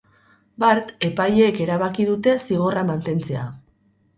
Bart epaileek erabaki dute zigorra mantentzea.